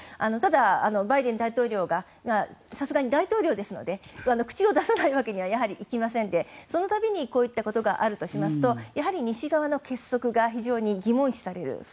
ただ、バイデン大統領がさすがに大統領ですので口を出さないわけにはやはりいきませんでその度にこういったことがあるとしますとやはり西側の結束が非常に疑問視される。